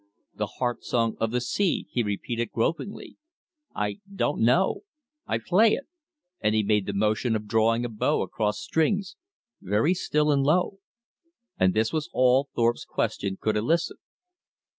"The Heart Song of the Sea," he repeated gropingly. "I don't know ...I play it," and he made the motion of drawing a bow across strings, "very still and low." And this was all Thorpe's question could elicit.